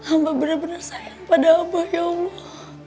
amba benar benar sayang pada abah ya allah